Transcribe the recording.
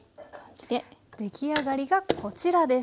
出来上がりがこちらです。